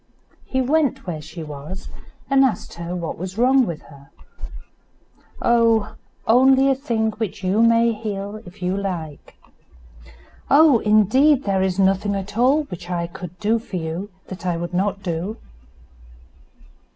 He went where she was, and asked her what was wrong with her. "Oh! only a thing which you may heal if you like." "Oh! indeed there is nothing at all which I could do for you that I would not do."